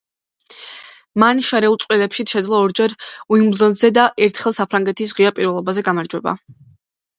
მან შერეულ წყვილებშიც შეძლო ორჯერ უიმბლდონზე და ერთხელ საფრანგეთის ღია პირველობაზე გამარჯვება.